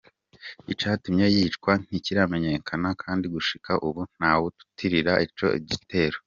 Icatumye yicwa ntikiramenyekana, kandi gushika ubu atawuriyitirira ico gitero.